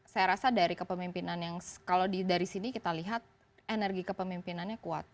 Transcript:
saya rasa dari kepemimpinan yang kalau dari sini kita lihat energi kepemimpinannya kuat